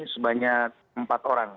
sebanyak empat orang